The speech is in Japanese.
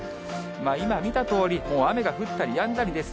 今見たとおり、もう雨が降ったりやんだりです。